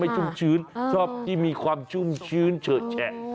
ชุ่มชื้นชอบที่มีความชุ่มชื้นเฉอะแฉะ